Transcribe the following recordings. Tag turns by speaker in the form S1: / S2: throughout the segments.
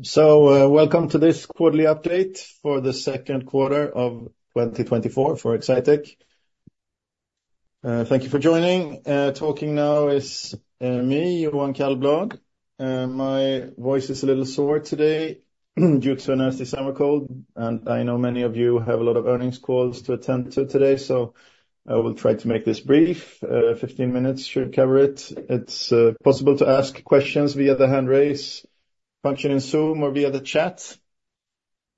S1: Welcome to this quarterly update for the second quarter of 2024 for Exsitec. Thank you for joining. Talking now is me, Johan Kallblad. My voice is a little sore today, due to a nasty summer cold, and I know many of you have a lot of earnings calls to attend to today, so I will try to make this brief. 15 minutes should cover it. It's possible to ask questions via the hand raise function in Zoom or via the chat,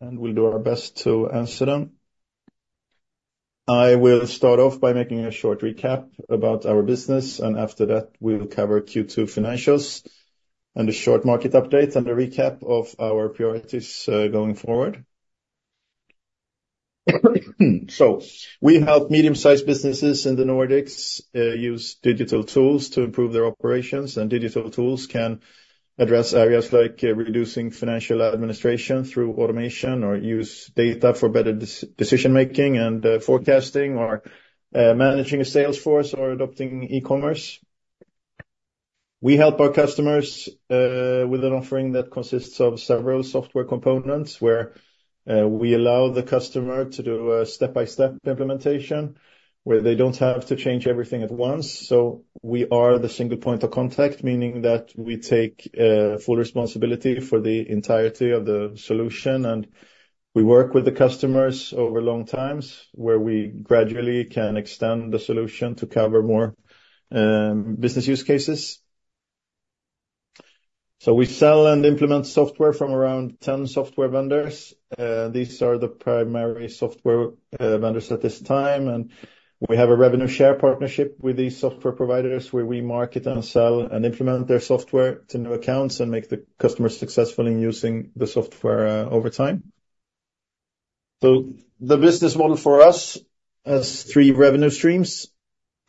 S1: and we'll do our best to answer them. I will start off by making a short recap about our business, and after that, we'll cover Q2 financials, and a short market update, and a recap of our priorities going forward. So we help medium-sized businesses in the Nordics use digital tools to improve their operations, and digital tools can address areas like reducing financial administration through automation or use data for better decision making and forecasting or managing a sales force or adopting e-commerce. We help our customers with an offering that consists of several software components, where we allow the customer to do a step-by-step implementation, where they don't have to change everything at once. So we are the single point of contact, meaning that we take full responsibility for the entirety of the solution, and we work with the customers over long times, where we gradually can extend the solution to cover more business use cases. So we sell and implement software from around 10 software vendors. These are the primary software vendors at this time, and we have a revenue share partnership with these software providers, where we market and sell and implement their software to new accounts and make the customer successful in using the software over time. So the business model for us has three revenue streams.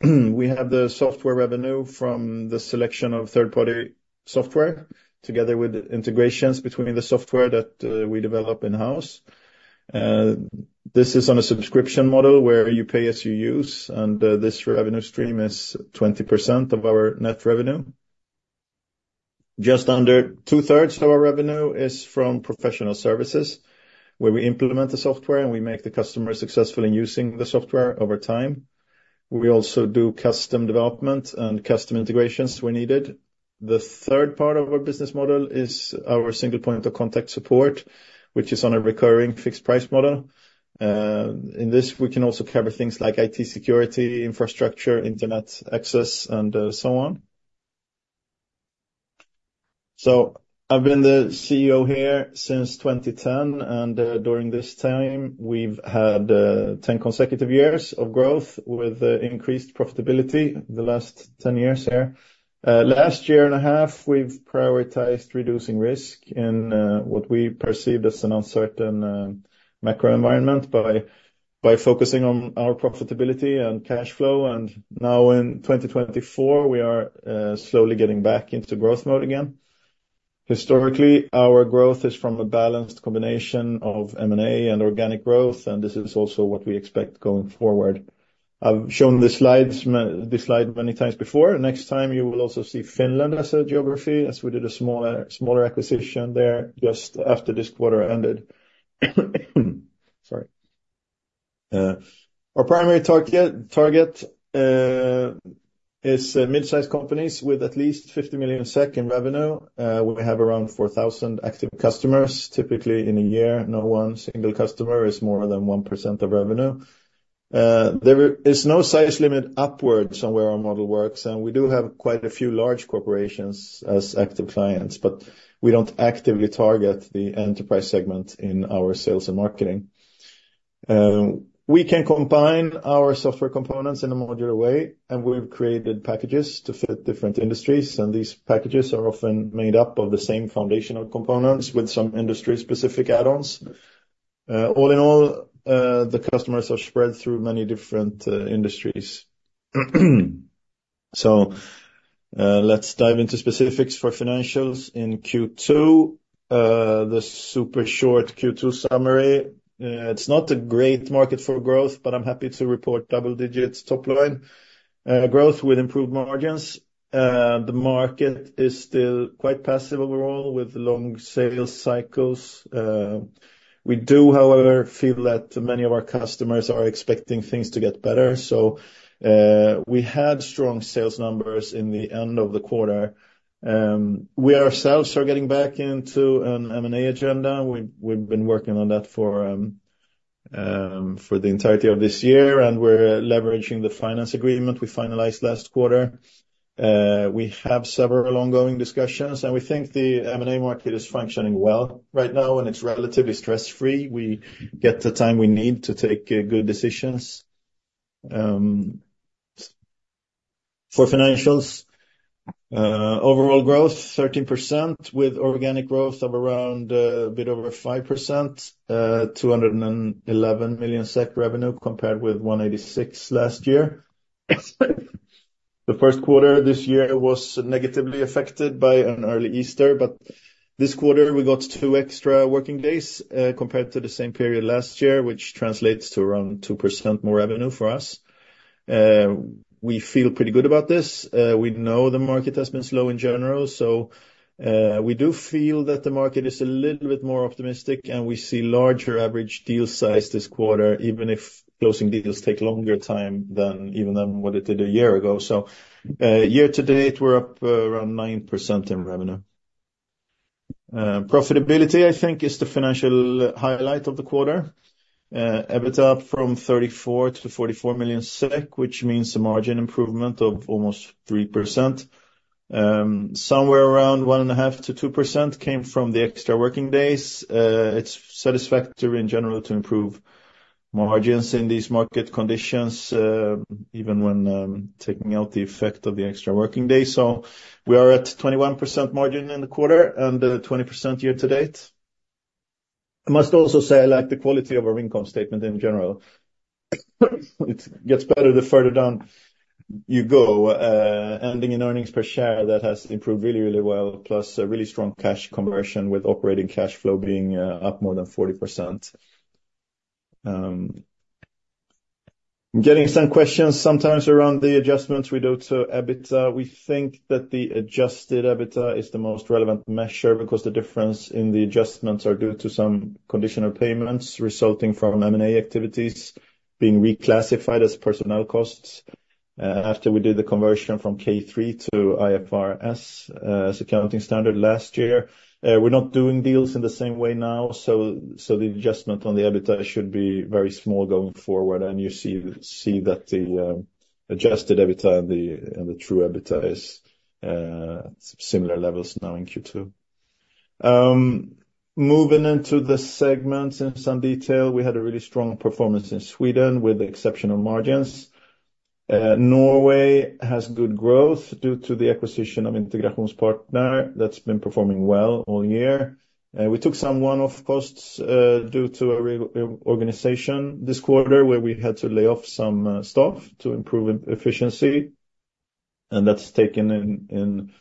S1: We have the software revenue from the selection of third-party software, together with integrations between the software that we develop in-house. This is on a subscription model, where you pay as you use, and this revenue stream is 20% of our net revenue. Just under two-thirds of our revenue is from professional services, where we implement the software, and we make the customer successful in using the software over time. We also do custom development and custom integrations when needed. The third part of our business model is our single point of contact support, which is on a recurring fixed price model. In this, we can also cover things like IT security, infrastructure, internet access, and so on. So I've been the CEO here since 2010, and during this time, we've had 10 consecutive years of growth with increased profitability the last 10 years here. Last year and a half, we've prioritized reducing risk in what we perceived as an uncertain macro environment by focusing on our profitability and cash flow. And now in 2024, we are slowly getting back into growth mode again. Historically, our growth is from a balanced combination of M&A and organic growth, and this is also what we expect going forward. I've shown this slide many times before. Next time, you will also see Finland as a geography, as we did a smaller acquisition there just after this quarter ended. Sorry. Our primary target is mid-sized companies with at least 50 million SEK in revenue. We have around 4,000 active customers, typically in a year. No one single customer is more than 1% of revenue. There is no size limit upwards on where our model works, and we do have quite a few large corporations as active clients, but we don't actively target the enterprise segment in our sales and marketing. We can combine our software components in a modular way, and we've created packages to fit different industries, and these packages are often made up of the same foundational components with some industry-specific add-ons. All in all, the customers are spread through many different industries. So, let's dive into specifics for financials in Q2. The super short Q2 summary. It's not a great market for growth, but I'm happy to report double digits top line growth with improved margins. The market is still quite passive overall, with long sales cycles. We do, however, feel that many of our customers are expecting things to get better. So, we had strong sales numbers in the end of the quarter. We ourselves are getting back into an M&A agenda. We've been working on that for the entirety of this year, and we're leveraging the finance agreement we finalized last quarter. We have several ongoing discussions, and we think the M&A market is functioning well right now, and it's relatively stress-free. We get the time we need to take good decisions. For financials, overall growth 13%, with organic growth of around a bit over 5%, 211 million SEK revenue, compared with 186 million last year. The first quarter this year was negatively affected by an early Easter, but this quarter we got two extra working days, compared to the same period last year, which translates to around 2% more revenue for us. We feel pretty good about this. We know the market has been slow in general, so, we do feel that the market is a little bit more optimistic, and we see larger average deal size this quarter, even if closing deals take longer time than even than what it did a year ago. So, year-to-date, we're up around 9% in revenue. Profitability, I think, is the financial highlight of the quarter. EBITDA from 34 million-44 million SEK, which means a margin improvement of almost 3%. Somewhere around 1.5%-2% came from the extra working days. It's satisfactory in general to improve margins in these market conditions, even when taking out the effect of the extra working days. So we are at 21% margin in the quarter and 20% year-to-date. I must also say I like the quality of our income statement in general. It gets better the further down you go, ending in earnings per share that has improved really, really well, plus a really strong cash conversion, with operating cash flow being up more than 40%. Getting some questions sometimes around the adjustments we do to EBITDA. We think that the Adjusted EBITDA is the most relevant measure, because the difference in the adjustments are due to some conditional payments resulting from M&A activities being reclassified as personnel costs. After we did the conversion from K3 to IFRS as accounting standard last year, we're not doing deals in the same way now, so the adjustment on the EBITDA should be very small going forward, and you see that the Adjusted EBITDA and the true EBITDA is similar levels now in Q2. Moving into the segments in some detail, we had a really strong performance in Sweden with exceptional margins. Norway has good growth due to the acquisition of IntegrasjonsPartner, that's been performing well all year. We took some one-off costs due to a reorganization this quarter, where we had to lay off some staff to improve efficiency, and that's taken in—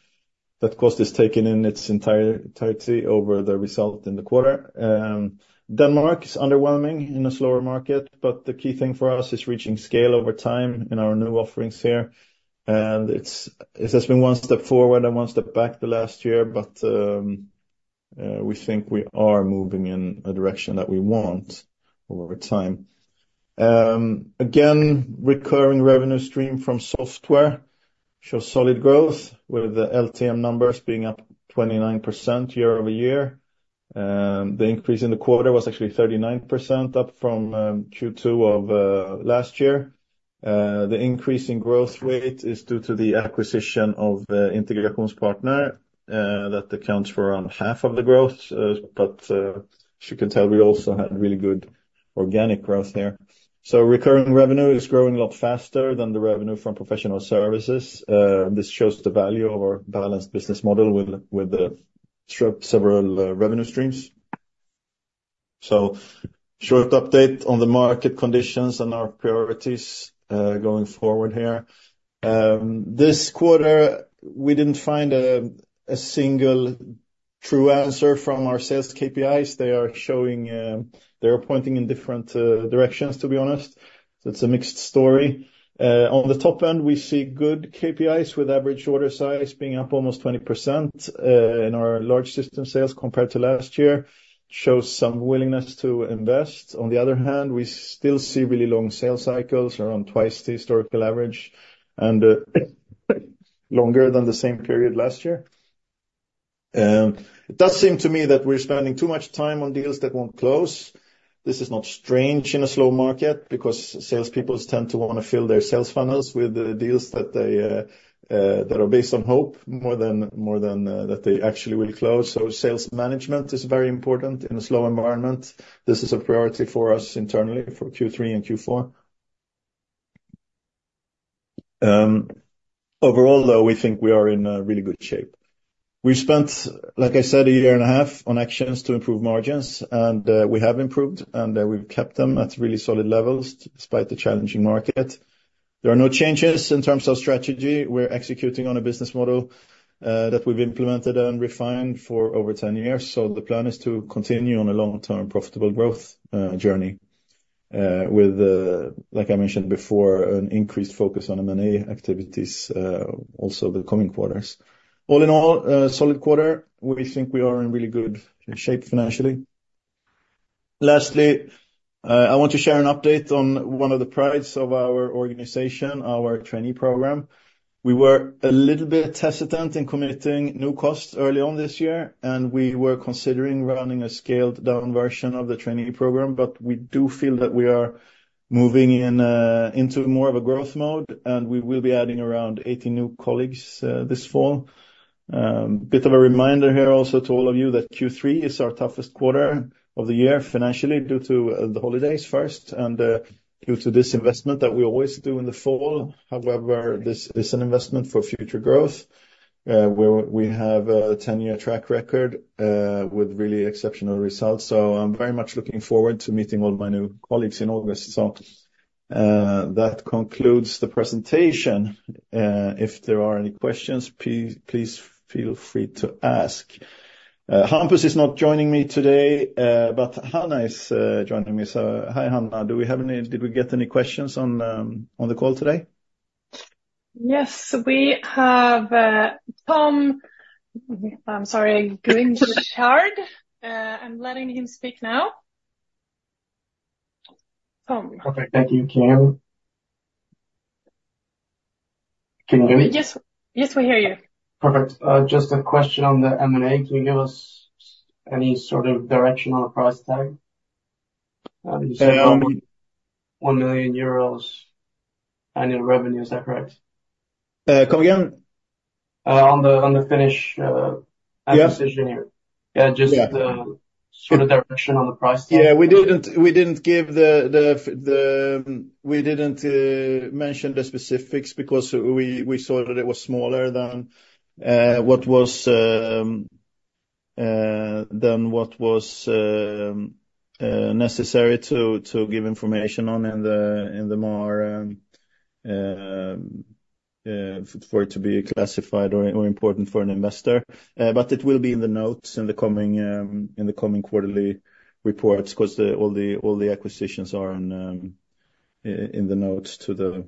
S1: That cost is taken in its entirety over the result in the quarter. Denmark is underwhelming in a slower market, but the key thing for us is reaching scale over time in our new offerings here, and it has been one step forward and one step back the last year, but we think we are moving in a direction that we want over time. Again, recurring revenue stream from software shows solid growth, with the LTM numbers being up 29% year-over-year. The increase in the quarter was actually 39% up from Q2 of last year. The increase in growth rate is due to the acquisition of IntegrasjonsPartner that accounts for around half of the growth, but as you can tell, we also had really good organic growth there. So recurring revenue is growing a lot faster than the revenue from professional services. This shows the value of our balanced business model with the several revenue streams. So short update on the market conditions and our priorities going forward here. This quarter, we didn't find a single true answer from our sales KPIs. They are showing. They are pointing in different directions, to be honest. So it's a mixed story. On the top end, we see good KPIs, with average order size being up almost 20% in our large system sales compared to last year, shows some willingness to invest. On the other hand, we still see really long sales cycles, around twice the historical average, and longer than the same period last year. It does seem to me that we're spending too much time on deals that won't close. This is not strange in a slow market, because sales people tend to want to fill their sales funnels with the deals that they that are based on hope more than that they actually will close. So sales management is very important in a slow environment. This is a priority for us internally for Q3 and Q4. Overall, though, we think we are in a really good shape. We've spent, like I said, a year and a half on actions to improve margins, and, we have improved, and, we've kept them at really solid levels despite the challenging market. There are no changes in terms of strategy. We're executing on a business model, that we've implemented and refined for over 10 years. So the plan is to continue on a long-term profitable growth, journey, with, like I mentioned before, an increased focus on M&A activities, also the coming quarters. All in all, a solid quarter. We think we are in really good shape financially. Lastly, I want to share an update on one of the prides of our organization, our trainee program. We were a little bit hesitant in committing new costs early on this year, and we were considering running a scaled-down version of the trainee program, but we do feel that we are moving in into more of a growth mode, and we will be adding around 80 new colleagues this fall. Bit of a reminder here also to all of you that Q3 is our toughest quarter of the year financially due to the holidays first and due to this investment that we always do in the fall. However, this is an investment for future growth where we have a 10-year track record with really exceptional results. So I'm very much looking forward to meeting all my new colleagues in August. So, that concludes the presentation. If there are any questions, please feel free to ask. Hampus is not joining me today, but Anna is joining me. So hi, Anna. Do we have any, did we get any questions on the call today?
S2: Yes, we have, Tom. I'm sorry, Tom Richard. I'm letting him speak now. Tom.
S3: Perfect. Thank you. Can you? Can you hear me?
S2: Yes. Yes, we hear you.
S3: Perfect. Just a question on the M&A. Can you give us any sort of direction on the price tag? You said 1 million euros annual revenue, is that correct?
S1: Come again?
S3: On the Finnish acquisition here.
S1: Yeah.
S3: Yeah, just-
S1: Yeah. ...
S3: sort of direction on the price tag.
S1: Yeah, we didn't give the specifics because we saw that it was smaller than what was necessary to give information on in the more for it to be classified or important for an investor. But it will be in the notes in the coming quarterly reports, because all the acquisitions are in the notes to the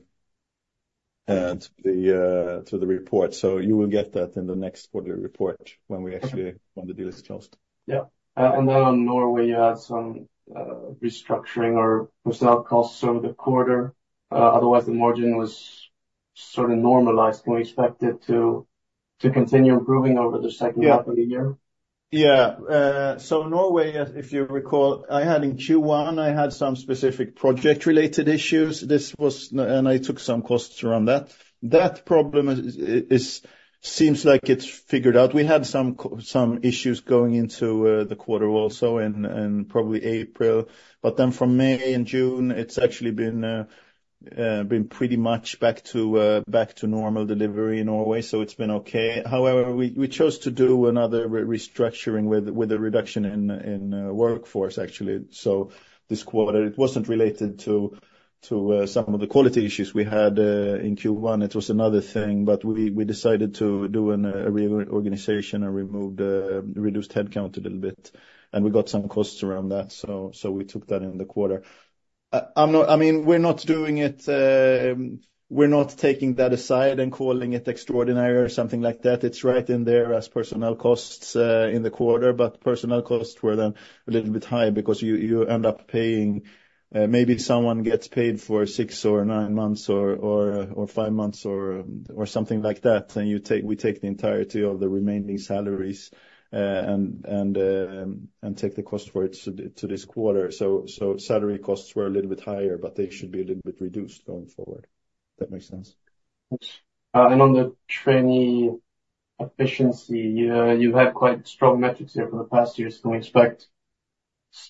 S1: report. So you will get that in the next quarter report when the deal is closed.
S3: Yeah. And then on Norway, you had some restructuring or personnel costs over the quarter, otherwise, the margin was sort of normalized. Can we expect it to continue improving over the second-
S1: Yeah.
S3: Half of the year?
S1: Yeah. So Norway, if you recall, I had in Q1, I had some specific project-related issues. This was, and I took some costs around that. That problem seems like it's figured out. We had some issues going into the quarter also in probably April, but then from May and June, it's actually been pretty much back to normal delivery in Norway, so it's been okay. However, we chose to do another restructuring with a reduction in workforce, actually. So this quarter, it wasn't related to some of the quality issues we had in Q1. It was another thing, but we decided to do a reorganization and reduced headcount a little bit, and we got some costs around that, so we took that in the quarter. I'm not—I mean, we're not doing it, we're not taking that aside and calling it extraordinary or something like that. It's right in there as personnel costs in the quarter, but personnel costs were then a little bit high because you end up paying, maybe someone gets paid for six or nine months or five months or something like that, and we take the entirety of the remaining salaries, and take the cost for it to this quarter. So salary costs were a little bit higher, but they should be a little bit reduced going forward, if that makes sense.
S3: Thanks. And on the trainee efficiency, you've had quite strong metrics here for the past years. Can we expect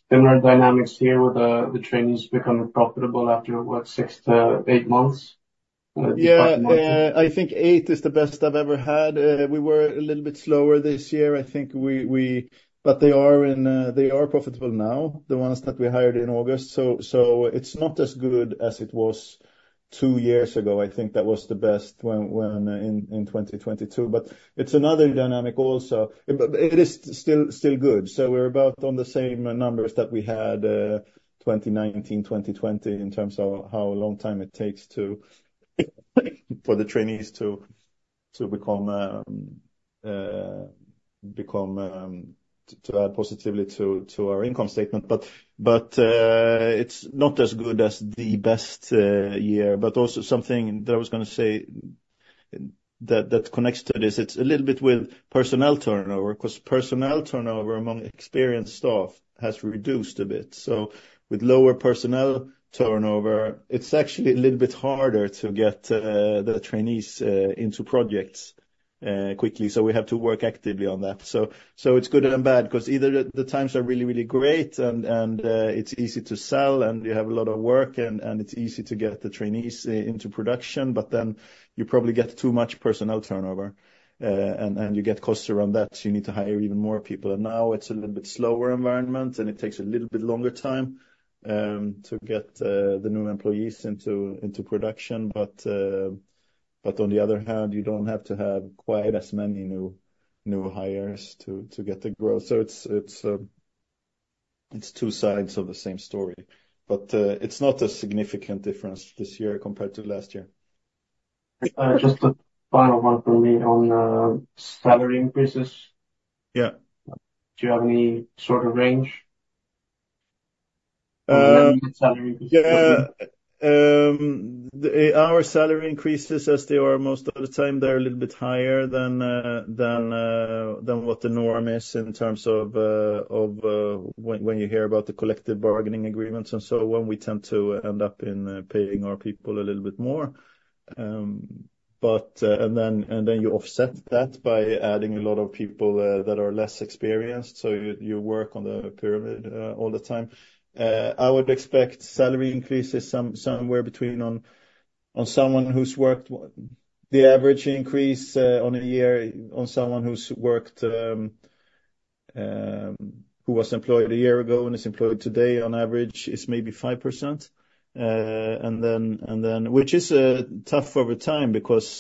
S3: similar dynamics here, with the, the trainees becoming profitable after, what, six to eight months?
S1: Yeah. I think eight is the best I've ever had. We were a little bit slower this year. I think, but they are in, they are profitable now, the ones that we hired in August. So, it's not as good as it was two years ago. I think that was the best when in 2022. But it's another dynamic also. But it is still good. So we're about on the same numbers that we had 2019, 2020, in terms of how long time it takes for the trainees to become to add positively to our income statement. But, it's not as good as the best year, but also something that I was going to say that connects to this, it's a little bit with personnel turnover, because personnel turnover among experienced staff has reduced a bit. So with lower personnel turnover, it's actually a little bit harder to get the trainees into projects quickly, so we have to work actively on that. So, it's good and bad, because either the times are really, really great and it's easy to sell and you have a lot of work and it's easy to get the trainees into production, but then you probably get too much personnel turnover and you get costs around that, so you need to hire even more people. And now it's a little bit slower environment, and it takes a little bit longer time to get the new employees into production. But on the other hand, you don't have to have quite as many new hires to get the growth. So it's two sides of the same story, but it's not a significant difference this year compared to last year.
S3: Just a final one for me on salary increases.
S1: Yeah.
S3: Do you have any sort of range?
S1: Uh-
S3: Salary-
S1: Yeah. Our salary increases as they are most of the time, they're a little bit higher than what the norm is in terms of when you hear about the collective bargaining agreements and so on, we tend to end up paying our people a little bit more. But. And then you offset that by adding a lot of people that are less experienced, so you work on the pyramid all the time. I would expect salary increases somewhere between on someone who's worked. The average increase on a year on someone who's worked who was employed a year ago and is employed today on average is maybe 5%. And then, which is tough over time because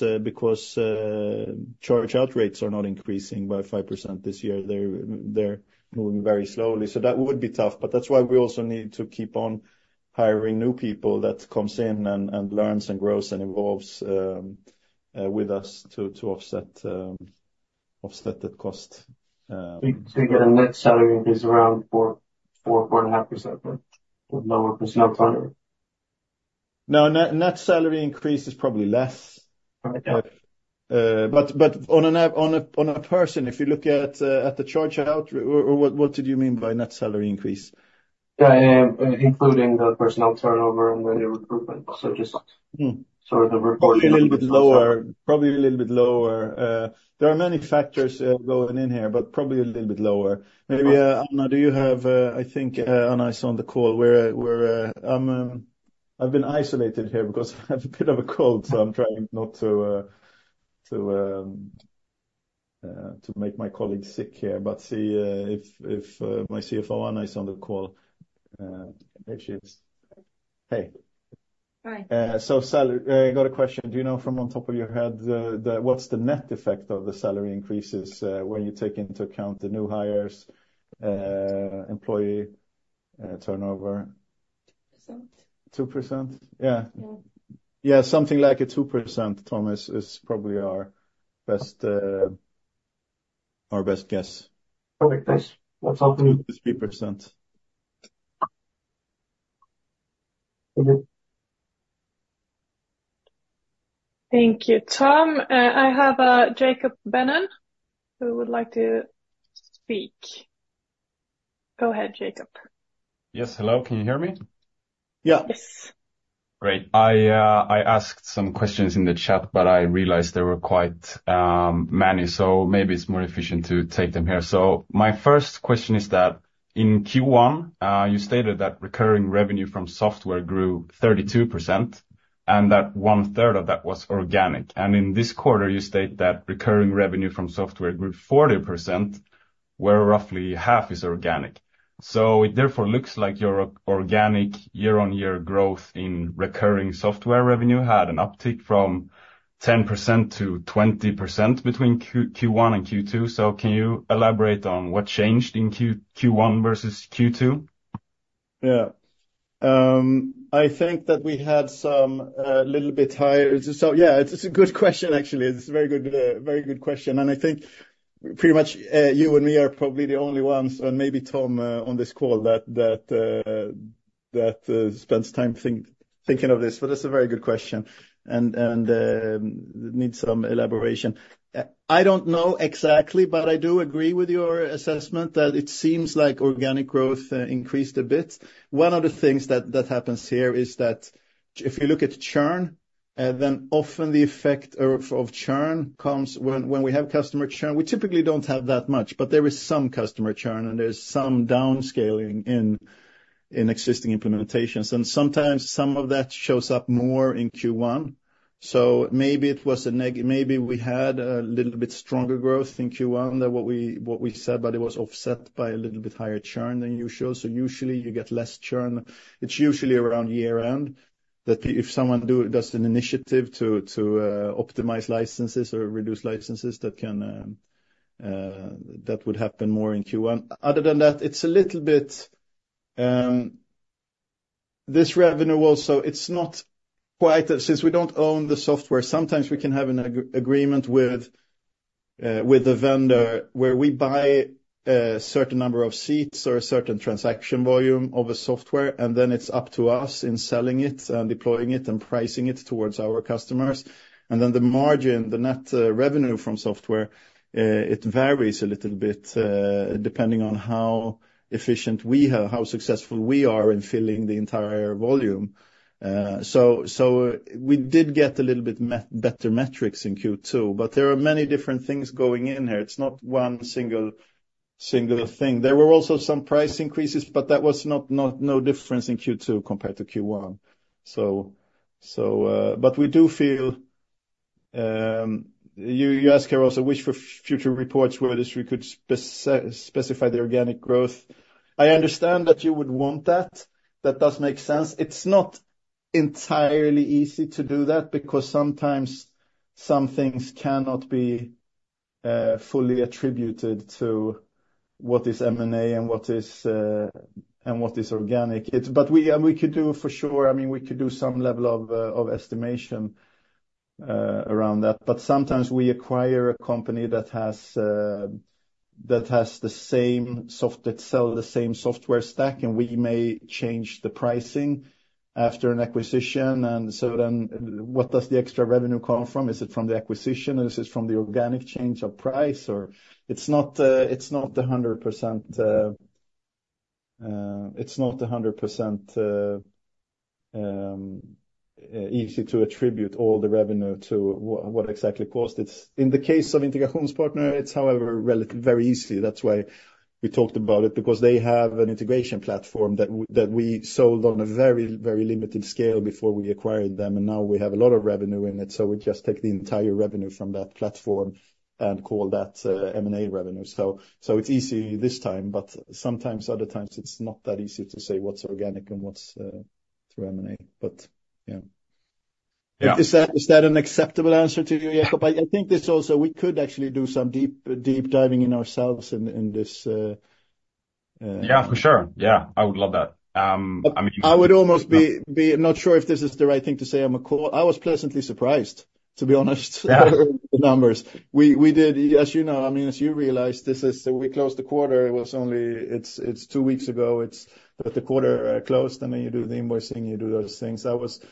S1: charge-out rates are not increasing by 5% this year. They're moving very slowly, so that would be tough, but that's why we also need to keep on hiring new people that comes in and learns and grows and evolves with us to offset that cost, uh-
S3: We get a net salary increase around 4%-4.5%, but with lower personnel turnover.
S1: No, net, net salary increase is probably less.
S3: Okay.
S1: But on a person, if you look at the charge out, or what did you mean by net salary increase?
S3: Yeah, including the personnel turnover and the new recruitment. So just-
S1: Mm.
S3: Sort of the report...
S1: Probably a little bit lower. Probably a little bit lower. There are many factors going in here, but probably a little bit lower. Maybe, Anna, do you have... I think Anna is on the call. I've been isolated here because I have a bit of a cold, so I'm trying not to make my colleagues sick here. But see, if my CFO, Anna, is on the call, there she is. Hey.
S2: Hi.
S1: So salary, I got a question: Do you know from on top of your head, the, what's the net effect of the salary increases, when you take into account the new hires, employee turnover?
S2: 2%.
S1: 2%? Yeah.
S2: Yeah.
S1: Yeah, something like a 2%, Tom, is probably our best, our best guess.
S3: Perfect. Thanks. That's helpful.
S1: 2%-3%.
S3: Okay.
S2: Thank you, Tom. I have Jacob Benon, who would like to speak. Go ahead, Jacob.
S4: Yes, hello. Can you hear me?
S1: Yeah.
S2: Yes.
S4: Great. I asked some questions in the chat, but I realized there were quite many, so maybe it's more efficient to take them here. So my first question is that in Q1, you stated that recurring revenue from software grew 32%, and that one-third of that was organic. And in this quarter, you state that recurring revenue from software grew 40%, where roughly half is organic. So it therefore looks like your organic year-on-year growth in recurring software revenue had an uptick from 10% to 20% between Q1 and Q2. So can you elaborate on what changed in Q1 versus Q2?
S1: Yeah. I think that we had some little bit higher. So yeah, it's a good question, actually. It's a very good, very good question. And I think pretty much, you and me are probably the only ones, and maybe Tom, on this call that spends time thinking of this, but it's a very good question, and needs some elaboration. I don't know exactly, but I do agree with your assessment that it seems like organic growth increased a bit. One of the things that happens here is that if you look at churn, then often the effect of churn comes when we have customer churn. We typically don't have that much, but there is some customer churn and there's some downscaling in existing implementations, and sometimes some of that shows up more in Q1. So maybe we had a little bit stronger growth in Q1 than what we said, but it was offset by a little bit higher churn than usual. So usually you get less churn. It's usually around year-end that if someone does an initiative to optimize licenses or reduce licenses, that would happen more in Q1. Other than that, it's a little bit, this revenue also, it's not quite since we don't own the software, sometimes we can have an agreement with the vendor, where we buy a certain number of seats or a certain transaction volume of a software, and then it's up to us in selling it and deploying it and pricing it towards our customers. And then the margin, the net revenue from software, it varies a little bit depending on how efficient we are, how successful we are in filling the entire volume. So we did get a little bit better metrics in Q2, but there are many different things going in here. It's not one single thing. There were also some price increases, but that was no difference in Q2 compared to Q1. But we do feel you ask here also which, for future reports, where we could specify the organic growth. I understand that you would want that. That does make sense. It's not entirely easy to do that, because sometimes some things cannot be fully attributed to what is M&A and what is organic. But we and we could do for sure, I mean, we could do some level of estimation around that, but sometimes we acquire a company that sell the same software stack, and we may change the pricing after an acquisition. And so then, what does the extra revenue come from? Is it from the acquisition, or is this from the organic change of price? Or... It's not 100%, it's not 100% easy to attribute all the revenue to what exactly caused it. In the case of IntegrasjonsPartner, it's however, relatively easy. That's why we talked about it, because they have an integration platform that we sold on a very, very limited scale before we acquired them, and now we have a lot of revenue in it, so we just take the entire revenue from that platform and call that M&A revenue. So it's easy this time, but sometimes, other times, it's not that easy to say what's organic and what's not to M&A, but yeah.
S4: Yeah.
S1: Is that, is that an acceptable answer to you, Jacob? I, I think this also, we could actually do some deep, deep diving in ourselves in, in this...
S4: Yeah, for sure. Yeah, I would love that. I mean-
S1: I would almost be not sure if this is the right thing to say on the call. I was pleasantly surprised, to be honest-
S4: Yeah....
S1: the numbers. We did, as you know, I mean, as you realize, this is. So we closed the quarter, it was only two weeks ago, it's... But the quarter closed, and then you do the invoicing, you do those things. I was-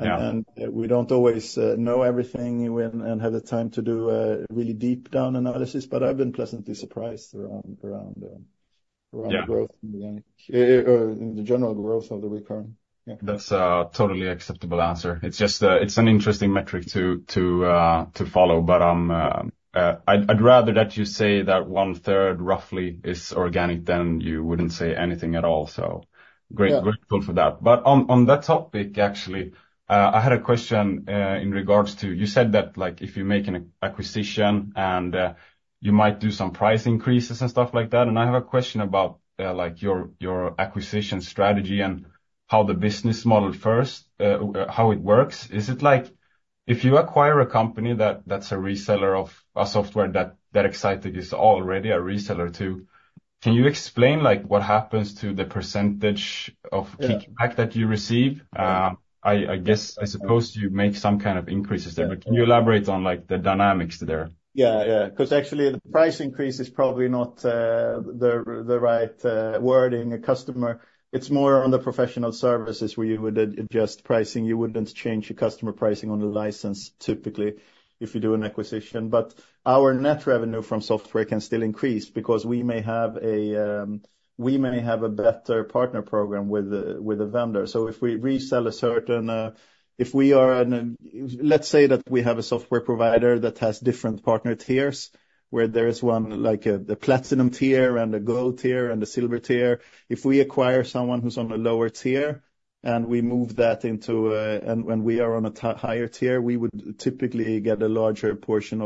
S4: Yeah.
S1: We don't always know everything and have the time to do a really deep down analysis, but I've been pleasantly surprised around.
S4: Yeah....
S1: around the growth, the general growth of the recurring. Yeah.
S4: That's a totally acceptable answer. It's just, it's an interesting metric to follow. But, I'd rather that you say that one-third, roughly, is organic than you wouldn't say anything at all, so great-
S1: Yeah....
S4: grateful for that. But on that topic, actually, I had a question in regards to... You said that, like, if you make an acquisition, and you might do some price increases and stuff like that. And I have a question about, like, your acquisition strategy and how the business model first, how it works. Is it like if you acquire a company that's a reseller of a software that Exsitec is already a reseller to, can you explain, like, what happens to the percentage of-
S1: Yeah....
S4: kickback that you receive?
S1: Yeah.
S4: I guess, I suppose you make some kind of increases there. Can you elaborate on, like, the dynamics there?
S1: Yeah, yeah. 'Cause actually, the price increase is probably not the right wording. It's more on the professional services where you would adjust pricing. You wouldn't change your customer pricing on the license, typically, if you do an acquisition. But our net revenue from software can still increase because we may have a better partner program with the vendor. So if we resell a certain... If we are an... Let's say that we have a software provider that has different partner tiers, where there is one, like a, the platinum tier, and a gold tier, and a silver tier. If we acquire someone who's on a lower tier, and we move that into a higher tier, we would typically get a larger portion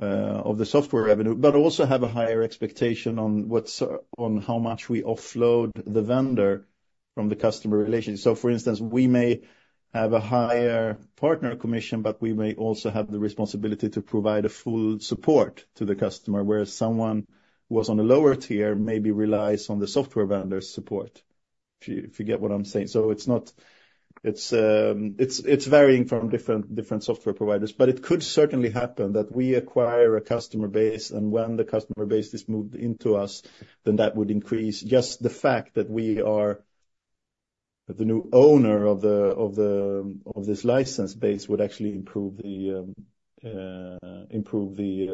S1: of the software revenue, but also have a higher expectation on what's on how much we offload the vendor from the customer relationship. So for instance, we may have a higher partner commission, but we may also have the responsibility to provide a full support to the customer, whereas someone who was on a lower tier maybe relies on the software vendor's support, if you get what I'm saying. So it's varying from different software providers, but it could certainly happen that we acquire a customer base, and when the customer base is moved into us, then that would increase. Just the fact that we are the new owner of this license base would actually improve the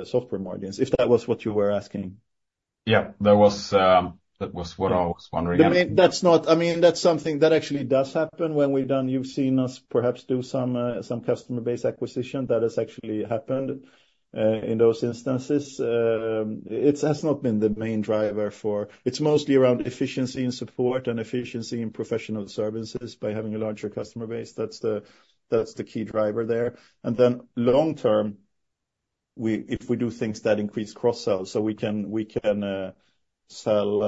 S1: software margins, if that was what you were asking.
S4: Yeah, that was, that was what I was wondering, yeah.
S1: I mean, that's not... I mean, that's something that actually does happen when we've done... You've seen us perhaps do some, some customer base acquisition. That has actually happened, in those instances. It has not been the main driver for— It's mostly around efficiency and support and efficiency in professional services by having a larger customer base. That's the, that's the key driver there. And then long term, we, if we do things that increase cross-sell, so we can, we can, sell,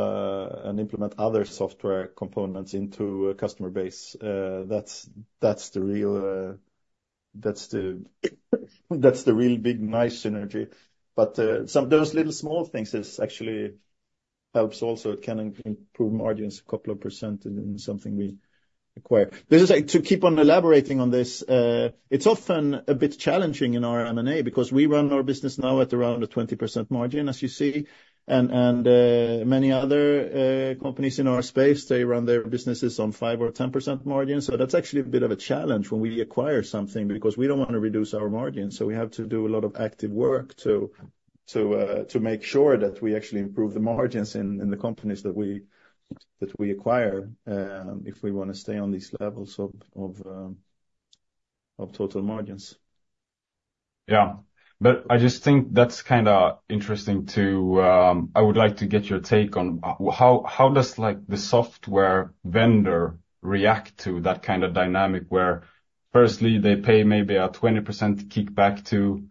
S1: and implement other software components into a customer base, that's, that's the real, that's the, that's the real big, nice synergy. But, some— those little small things is actually, helps also. It can improve margins a couple of % in something we acquire. This is to keep on elaborating on this. It's often a bit challenging in our M&A because we run our business now at around a 20% margin, as you see, and many other companies in our space, they run their businesses on 5% or 10% margin. So that's actually a bit of a challenge when we acquire something, because we don't want to reduce our margins. So we have to do a lot of active work to make sure that we actually improve the margins in the companies that we acquire, if we wanna stay on these levels of total margins.
S4: Yeah. But I just think that's kinda interesting to. I would like to get your take on how does, like, the software vendor react to that kind of dynamic, where firstly, they pay maybe a 20% kickback to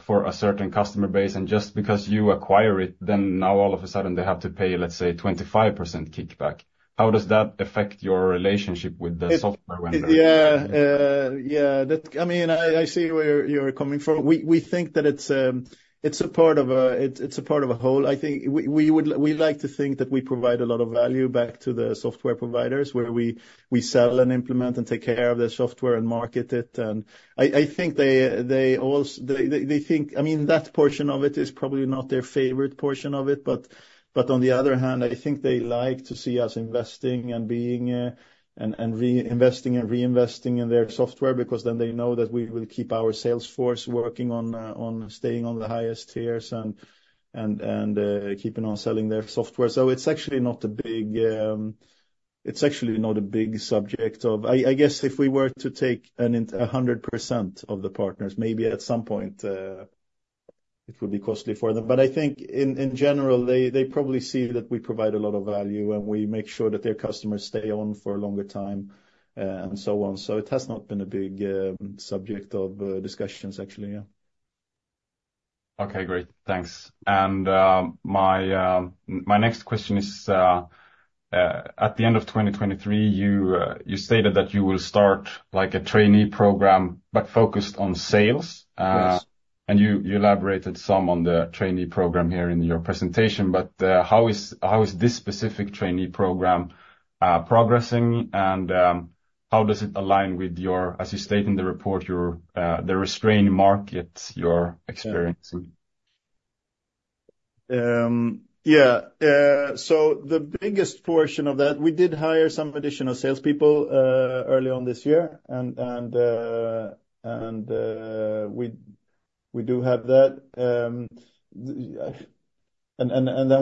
S4: for a certain customer base, and just because you acquire it, then now all of a sudden they have to pay, let's say, 25% kickback. How does that affect your relationship with the software vendor?
S1: Yeah, yeah. That, I mean, I see where you're coming from. We think that it's a part of a whole. I think we like to think that we provide a lot of value back to the software providers, where we sell and implement and take care of their software and market it. And I think they think... I mean, that portion of it is probably not their favorite portion of it. But on the other hand, I think they like to see us investing and reinvesting in their software, because then they know that we will keep our sales force working on staying on the highest tiers and keeping on selling their software. So it's actually not a big subject of... I guess if we were to take a 100% of the partners, maybe at some point it would be costly for them. But I think in general, they probably see that we provide a lot of value, and we make sure that their customers stay on for a longer time, and so on. So it has not been a big subject of discussions, actually, yeah....
S4: Okay, great. Thanks. And, my next question is, at the end of 2023, you, you stated that you will start, like, a trainee program, but focused on sales.
S1: Yes.
S4: You elaborated some on the trainee program here in your presentation, but how is this specific trainee program progressing? And how does it align with your - as you state in the report, your the restrained market you're experiencing?
S1: Yeah, so the biggest portion of that, we did hire some additional salespeople early on this year, and then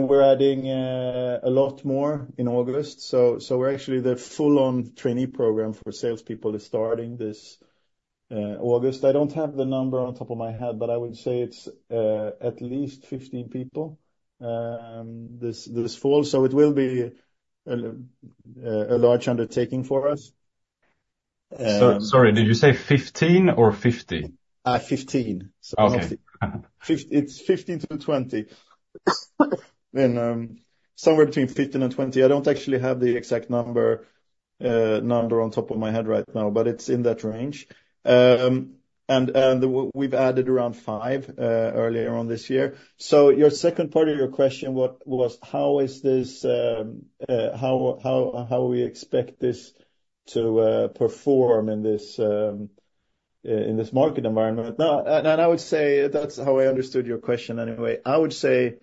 S1: we're adding a lot more in August. So we're actually the full-on Trainee Program for salespeople is starting this August. I don't have the number on top of my head, but I would say it's at least 15 people this fall, so it will be a large undertaking for us.
S4: Sorry, did you say 15 or 50?
S1: Uh, 15.
S4: Okay.
S1: It's 15-20. Then, somewhere between 15 and 20. I don't actually have the exact number on top of my head right now, but it's in that range. And we've added around five earlier on this year. So your second part of your question, what was, how is this, how we expect this to perform in this market environment? Now, and I would say that's how I understood your question anyway. I would say,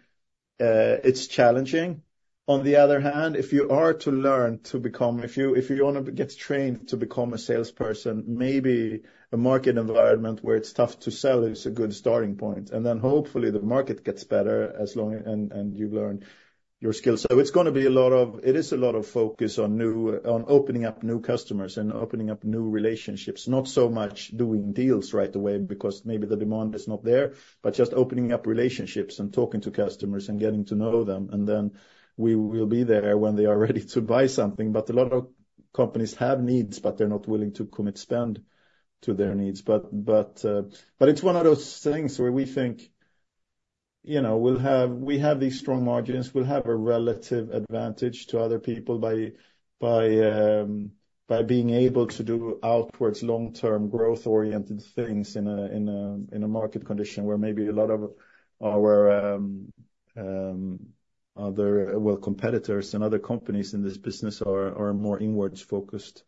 S1: it's challenging. On the other hand, if you are to learn to become... If you want to get trained to become a salesperson, maybe a market environment where it's tough to sell is a good starting point. And then hopefully, the market gets better as long, and you learn your skills. So it is a lot of focus on new, on opening up new customers and opening up new relationships. Not so much doing deals right away, because maybe the demand is not there, but just opening up relationships and talking to customers and getting to know them, and then we will be there when they are ready to buy something. But a lot of companies have needs, but they're not willing to commit spend to their needs. But it's one of those things where we think, you know, we have these strong margins. We'll have a relative advantage to other people by being able to do outwards, long-term, growth-oriented things in a market condition where maybe a lot of our other, well, competitors and other companies in this business are more inwards focused.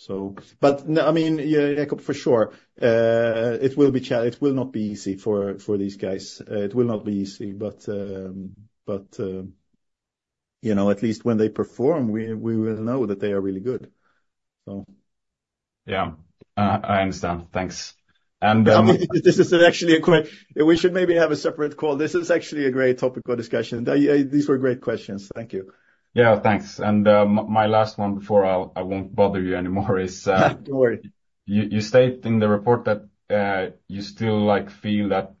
S1: So... But, I mean, yeah, for sure, it will not be easy for these guys. It will not be easy, but, you know, at least when they perform, we will know that they are really good, so.
S4: Yeah. I understand. Thanks. And-
S1: This is actually a great... We should maybe have a separate call. This is actually a great topic of discussion. These were great questions. Thank you.
S4: Yeah, thanks. And, my last one before I'll—I won't bother you anymore is-
S1: Don't worry.
S4: You, you stated in the report that you still, like, feel that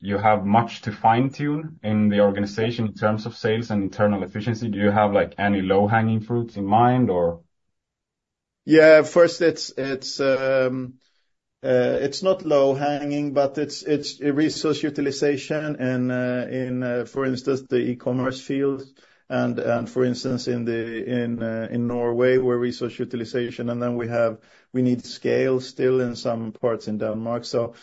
S4: you have much to fine-tune in the organization in terms of sales and internal efficiency. Do you have, like, any low-hanging fruits in mind or?
S1: Yeah, first, it's not low-hanging, but it's a resource utilization in, for instance, the e-commerce field, and for instance, in the- in Norway, where resource utilization, and then we have- we need scale still in some parts in Denmark. So,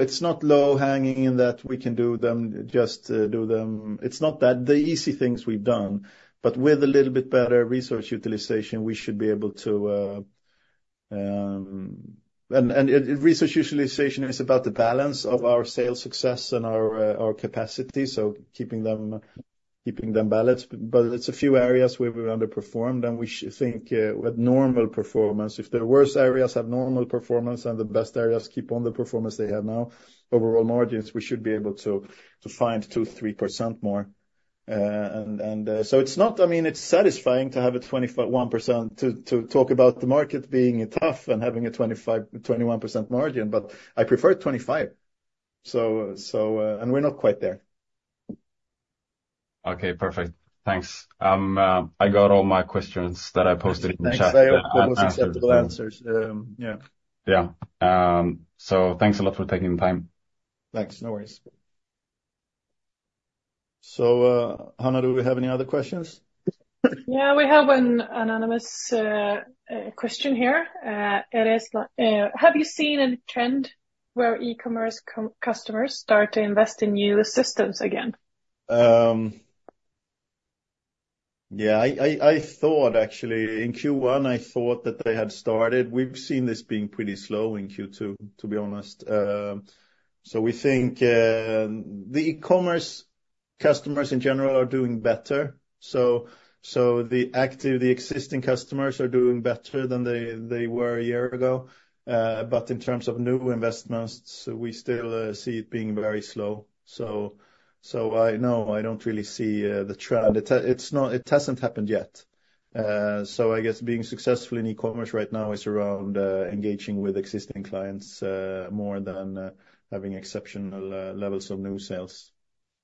S1: it's not low-hanging in that we can do them, just do them. It's not that. The easy things we've done, but with a little bit better resource utilization, we should be able to... And resource utilization is about the balance of our sales success and our capacity, so keeping them balanced. But it's a few areas where we've underperformed, and we think, with normal performance, if the worst areas have normal performance and the best areas keep on the performance they have now, overall margins, we should be able to find 2%-3% more. So it's not-- I mean, it's satisfying to have a 21%, to talk about the market being tough and having a 25, 21% margin, but I prefer 25. And we're not quite there.
S4: Okay, perfect. Thanks. I got all my questions that I posted in the chat.
S1: Thanks. I hope that was acceptable answers. Yeah.
S4: Yeah. Thanks a lot for taking the time.
S1: Thanks. No worries. So, Anna, do we have any other questions?
S2: Yeah, we have an anonymous question here. It is, have you seen a trend where e-commerce customers start to invest in new systems again?
S1: Yeah, I thought actually... In Q1, I thought that they had started. We've seen this being pretty slow in Q2, to be honest. So we think the e-commerce customers in general are doing better. So the active, the existing customers are doing better than they were a year ago. But in terms of new investments, we still see it being very slow. So I, no, I don't really see the trend. It hasn't happened yet. So I guess being successful in e-commerce right now is around engaging with existing clients more than having exceptional levels of new sales.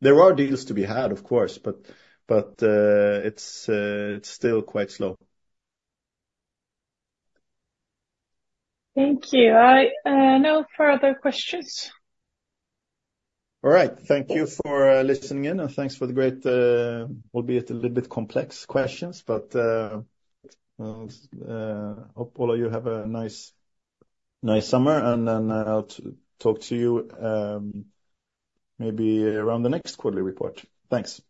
S1: There are deals to be had, of course, but it's still quite slow.
S2: Thank you. I no further questions.
S1: All right. Thank you for listening in, and thanks for the great, albeit a little bit complex questions, but hope all of you have a nice, nice summer, and then I'll talk to you, maybe around the next quarterly report. Thanks.